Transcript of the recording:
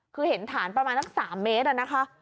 คือเห็นฐานประมาณสัก๓เมตรอะนะคะ